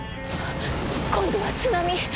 今度は津波！